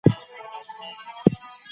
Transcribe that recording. تاسي باید خپل ځان ته د بریا هیله ورکړئ.